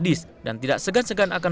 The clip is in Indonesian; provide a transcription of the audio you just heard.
mereka tidak bisa berpengalaman